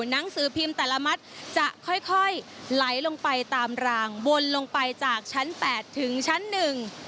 หนังสือพิมพ์แต่ละมัดจะค่อยค่อยไหลลงไปตามรางวนลงไปจากชั้นแปดถึงชั้นหนึ่ง